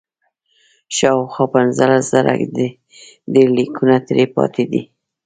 شاوخوا پنځلس زره ډبرلیکونه ترې پاتې دي.